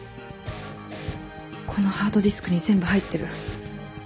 このハードディスクに全部入ってる。